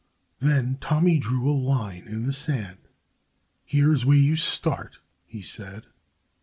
Then Tommy drew a line in the sand. "Here's where you start!" he said.